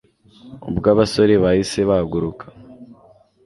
ubwo abasore bahise bahaguruka